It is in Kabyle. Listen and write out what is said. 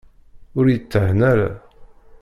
Ur yethenna ara.